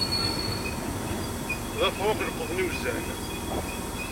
D afṛux, i yeleqḍen iwzan.